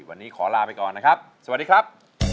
วันนี้ขอลาไปก่อนนะครับสวัสดีครับ